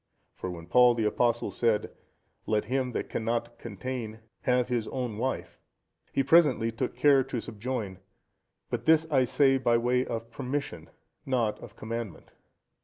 For when Paul the Apostle said, "Let him that cannot contain have his own wife;" he presently took care to subjoin, "But this I say by way of permission, not of commandment."